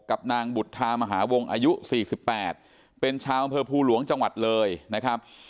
กับนางบุตรธามหาวงอายุสี่สิบแปดเป็นชาวบรรพภูหลวงจังหวัดเลยนะครับ